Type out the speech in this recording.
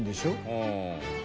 うん。